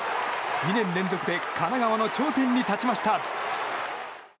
２年連続で神奈川の頂点に立ちました。